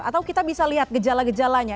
atau kita bisa lihat gejala gejalanya